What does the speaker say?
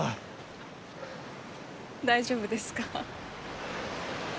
大丈夫ですか？